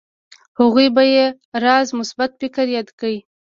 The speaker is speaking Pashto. هغوی به يې راز مثبت فکر ياد کړي.